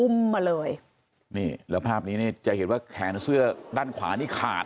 มาเลยนี่แล้วภาพนี้นี่จะเห็นว่าแขนเสื้อด้านขวานี่ขาด